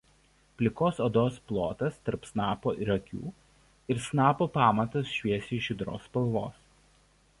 Plikos odos plotas tarp snapo ir akių ir snapo pamatas šviesiai žydros spalvos.